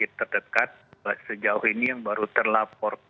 imperatif kl cervix yang indigenous biologis